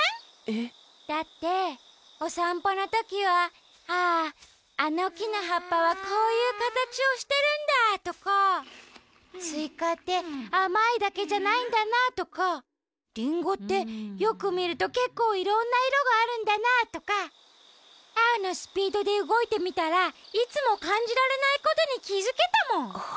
えっ？だっておさんぽのときは「あああのきのはっぱはこういうかたちをしてるんだ」とか「スイカってあまいだけじゃないんだな」とか「リンゴってよくみるとけっこういろんないろがあるんだな」とかアオのスピードでうごいてみたらいつもかんじられないことにきづけたもん。